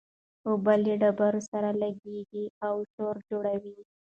اوبه له ډبرو سره لګېږي او شور جوړوي.